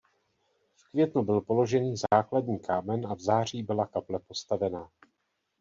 V květnu byl položený základní kámen a v září byla kaple postavená.